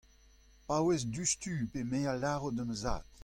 Paouez diouzhtu pe me a lâro da'm zad.